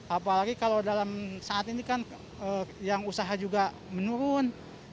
apalagi kalau dalam saat ini kan yang usaha juga menurun